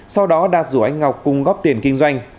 sau đó đạt rủ anh ngọc cùng góp tiền kinh doanh